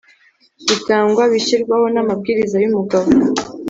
gitangwa bishyirwaho n amabwiriza y Umugaba